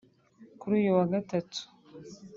kuri uyu wa gatatu